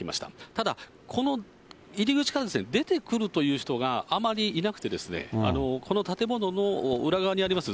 ただ、この入り口から出てくるという人が、あまりいなくてですね、この建物の裏側にあります